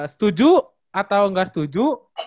setuju atau gak setuju